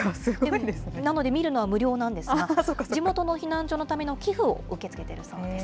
なので見るのは無料なんですが、地元の避難所のための寄付を受け付けているそうです。